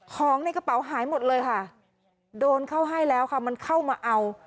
ของในกระเป๋าหายหมดเลยค่ะโดนเข้าให้แล้วค่ะมันเข้ามาเอา